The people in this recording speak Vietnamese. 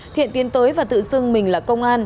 thiện tiến tới và tự xưng mình là công an